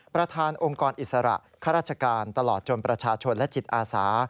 ประธานองค์กรอิสระข้าราชการตลอดจนประชาชนและจิตอาสา